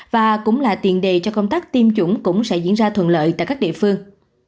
và cũng là tiền đề cho công tác tiêm chủng cũng sẽ diễn ra thuận lợi tại các địa phương